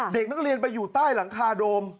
เด็กนักเรียนไปอยู่ใต้หลังคาโดม